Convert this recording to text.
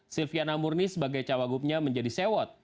silviana murni sebagai cawagupnya menjadi sewot